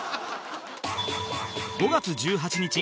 ５月１８日